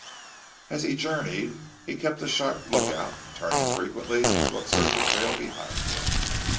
As he journed he kept a sharp look out, turning frequently to observe the trail behind him.